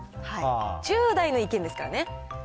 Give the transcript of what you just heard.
１０代の意見ですからね。